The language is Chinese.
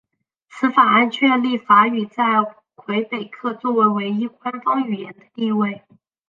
此法案确立法语在魁北克作为唯一官方语言的地位。